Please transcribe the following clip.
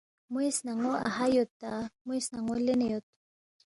موے سنان٘و اَہا یود تا، موے سنان٘و لینے یود